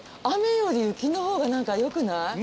雨より雪の方が何かよくない？